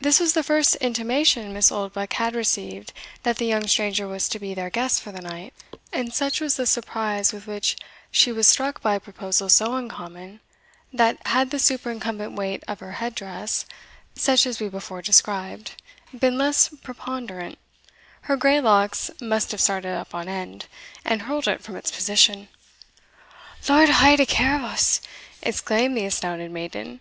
This was the first intimation Miss Oldbuck had received that the young stranger was to be their guest for the night; and such was the surprise with which she was struck by a proposal so uncommon, that, had the superincumbent weight of her head dress, such as we before described, been less preponderant, her grey locks must have started up on end, and hurled it from its position. "Lord haud a care o' us!" exclaimed the astounded maiden.